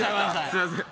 すいません。